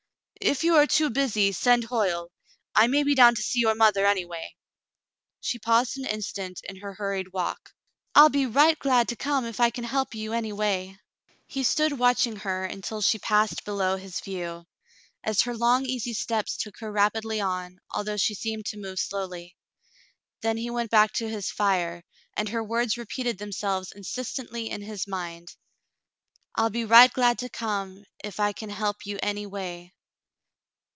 "If you are too busy, send Hoyle. I may be down to see your mother, anyway.'* She paused an instant in her hurried walk. "I'll be right glad to come, if I can help you any way." He stood watching her until she passed below his view. 56 The Mountain Girl as her long easy steps took her rapidly on, although she seemed to move slowly. Then he went back to his fire, and her words repeated themselves insistently in his mind — "I'll be right glad to come, if I can help you anyway."